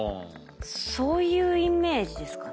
そういうイメージですかね。